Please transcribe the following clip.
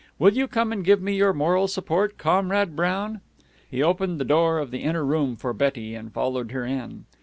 Will you come and give me your moral support, Comrade Brown?" He opened the door of the inner room for Betty, and followed her in.